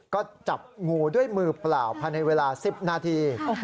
ก็จับงูด้วยมือเปล่าภายในเวลา๑๐นาที